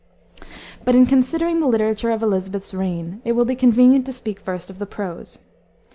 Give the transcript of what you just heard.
But in considering the literature of Elisabeth's reign it will be convenient to speak first of the prose.